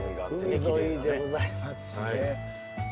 海沿いでございますね。